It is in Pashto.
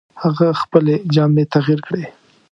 هغه خپلې جامې تغیر کړې.